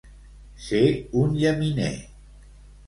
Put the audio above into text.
Ser un llaminer.